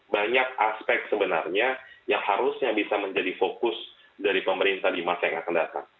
banyak aspek sebenarnya yang harusnya bisa menjadi fokus dari pemerintah di masa yang akan datang